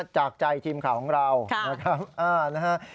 จากใจทีมข่าวของเรานะครับ